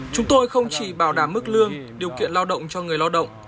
chúng tôi không chỉ bảo đảm mức lương điều kiện lao động cho người lao động